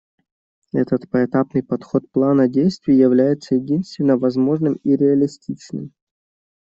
Этот поэтапный подход плана действий является единственно возможным и реалистичным.